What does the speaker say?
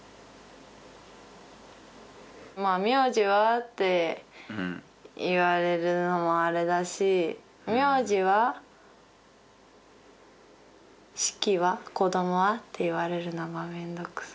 まあ「名字は？」って言われるのもあれだし「名字は？式は？子どもは？」って言われるのが面倒くさい。